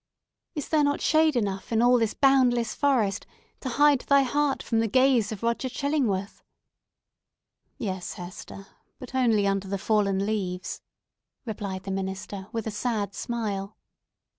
Is there not shade enough in all this boundless forest to hide thy heart from the gaze of Roger Chillingworth?" "Yes, Hester; but only under the fallen leaves!" replied the minister, with a sad smile.